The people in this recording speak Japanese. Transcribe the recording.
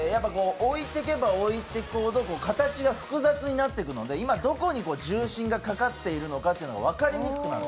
置いていけば置いていくほど形が複雑になっていくので今、どこに重心がかかっているのかが分かりにくくなる。